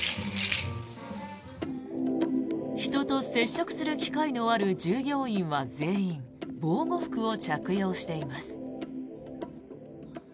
人と接触する機会のある従業員は全員防護服を着用しています。